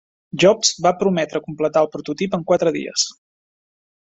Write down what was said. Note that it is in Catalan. Jobs va prometre a completar el prototip en quatre dies.